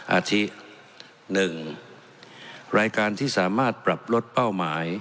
อาทิตย์๑รายการที่สามารถปรับลดเป้าหมาย